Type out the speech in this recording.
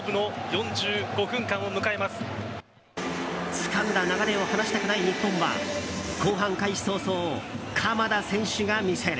つかんだ流れを離したくない日本は後半開始早々、鎌田選手が見せる。